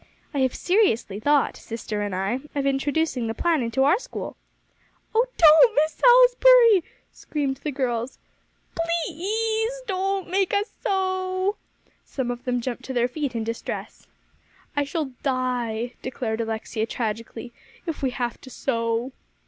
I have seriously thought, sister and I, of introducing the plan into our school." "Oh, don't, Miss Salisbury," screamed the girls. "Ple ase don't make us sew." Some of them jumped to their feet in distress. "I shall die," declared Alexia tragically, "if we have to sew."